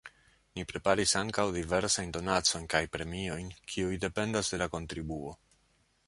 Ni preparis ankaŭ diversajn donacojn kaj premiojn, kiuj dependas de la kontribuo.